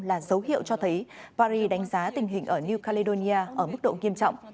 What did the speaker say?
là dấu hiệu cho thấy paris đánh giá tình hình ở new caledonia ở mức độ nghiêm trọng